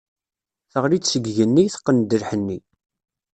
Teɣli-d seg igenni, teqqen-d lḥenni.